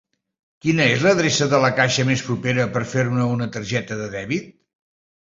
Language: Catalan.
Quina és l'adreça de la caixa més propera per fer-me una targeta de dèbit?